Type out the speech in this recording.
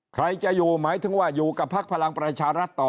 ใครจะอยู่หมายถึงว่าอยู่กับพักพลังประชารัฐต่อ